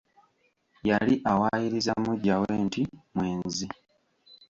Yali awaayiriza muggya we nti mwenzi.